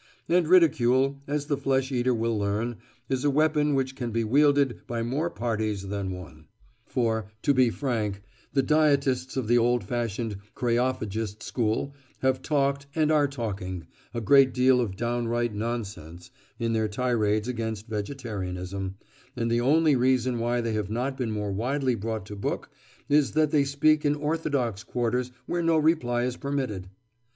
And ridicule, as the flesh eater will learn, is a weapon which can be wielded by more parties than one. For, to be frank, the dietists of the old fashioned kreophagist school have talked, and are talking, a great deal of downright nonsense in their tirades against vegetarianism, and the only reason why they have not been more widely brought to book is that they speak in orthodox quarters where no reply is permitted.